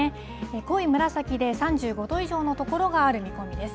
濃い紫で３５度以上のところがある見込みです。